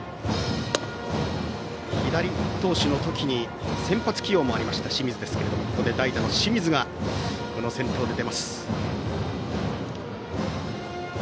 左投手の時に先発起用もありました清水ですけどもここで代打の清水が先頭で出ます。